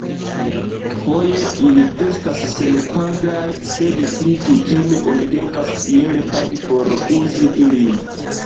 Foje ili estas senpagaj, sed pli kutime oni devas iel pagi por uzi ilin.